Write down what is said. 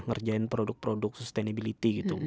ngerjain produk produk sustainability gitu